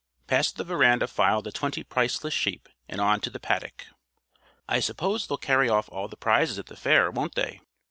Past the veranda filed the twenty priceless sheep, and on to the paddock. "I suppose they'll carry off all the prizes at the fair, won't they?"